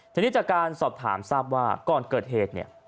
ทีนี้จากการสอบถามทราบว่าก่อนเกิดเหตุเนี่ย